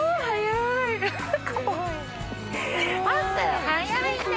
はい。